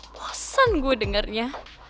bosan gue dengarnya